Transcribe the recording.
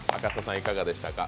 いかがでしたか？